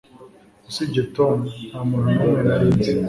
Usibye Tom, nta muntu numwe nari nzi.